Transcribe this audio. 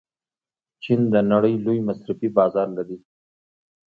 چین د نړۍ لوی مصرفي بازار لري.